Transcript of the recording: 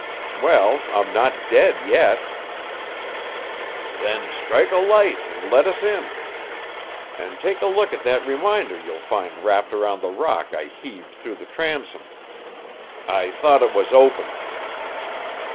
"Well, I'm not dead yet." "Then strike a light and let us in. And take a look at that reminder you'll find wrapped around the rock I heaved through the transom. I thought it was open."